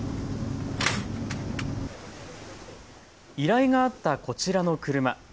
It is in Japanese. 依頼があったこちらの車。